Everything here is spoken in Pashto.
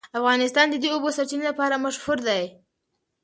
افغانستان د د اوبو سرچینې لپاره مشهور دی.